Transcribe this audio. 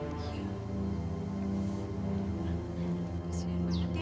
masih banyak ya